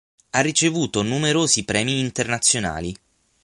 Ha ricevuto numerosi premi internazionali.